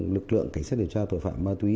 lực lượng cảnh sát điều tra tội phạm ma túy